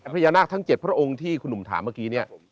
พญานาคทั้ง๗พระองค์ที่คุณหนุ่มถามเมื่อกี้เนี่ย